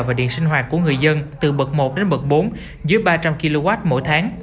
và điện sinh hoạt của người dân từ bậc một đến bậc bốn dưới ba trăm linh kw mỗi tháng